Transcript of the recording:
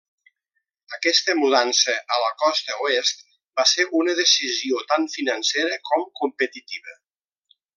Aquesta mudança a la Costa Oest va ser una decisió tant financera com competitiva.